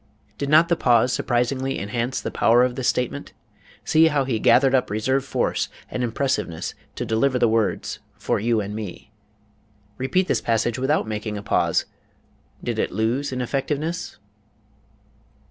Did not the pause surprisingly enhance the power of this statement? See how he gathered up reserve force and impressiveness to deliver the words "for you and me." Repeat this passage without making a pause. Did it lose in effectiveness?